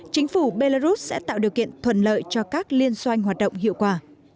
chính phủ belarus sẽ tạo điều kiện thuận lợi cho các liên xoanh hoạt động hiệu quả